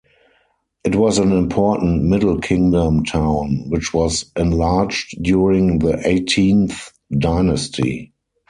It was an important Middle Kingdom town, which was enlarged during the Eighteenth Dynasty.